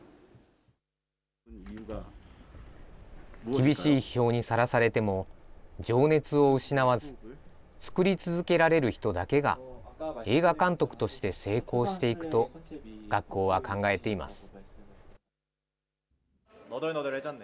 厳しい批評にさらされても、情熱を失わず、作り続けられる人だけが映画監督として成功していくと、学校は考えています。